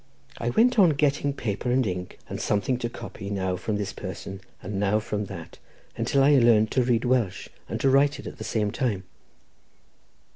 I went on getting paper and ink, and something to copy, now from this person, and now from that, until I learned to read Welsh and to write it at the same time."